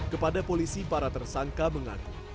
kepada polisi para tersangka mengaku